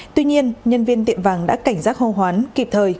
tuy nhiên nhân viên tiệm vàng đã cảnh giác hô hoán kịp thời